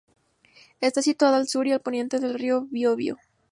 Está situada al sur y al poniente del río Biobío.